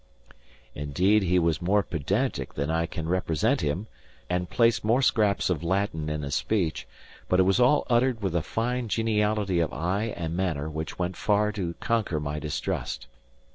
Indeed he was more pedantic than I can represent him, and placed more scraps of Latin in his speech; but it was all uttered with a fine geniality of eye and manner which went far to conquer my distrust.